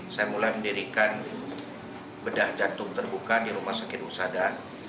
saya mulai mendirikan bedah jantung terbuka di rumah sakit usada